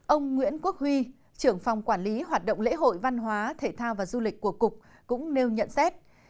ông nguyễn quốc huy trưởng phòng quản lý hoạt động lễ hội văn hóa thể thao và du lịch của cục cũng nêu nhận xét